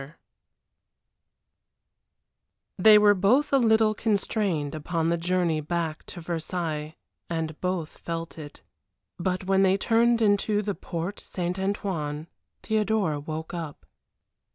XI They were both a little constrained upon the journey back to Versailles and both felt it. But when they turned into the Porte St. Antoine Theodora woke up.